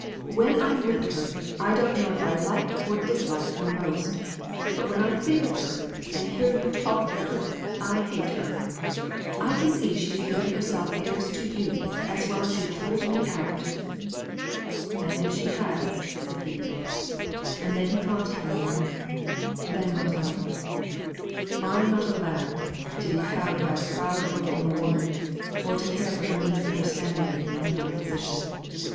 When I'm with her, I don't know if I like or dislike her most; but when I think of her, and hear you talk of her, I hate her. I can see she's given herself airs to you as well as if you'd told me out." "And if she has," said he and then he paused for a moment then went on: "I'm not a lad, to be cowed by a proud look from a woman, or to care for her misunderstanding me and my position.